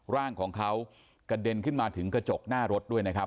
ร่างของเขากระเด็นขึ้นมาถึงกระจกหน้ารถด้วยนะครับ